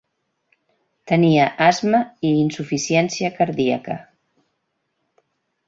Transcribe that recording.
Tenia asma i insuficiència cardíaca.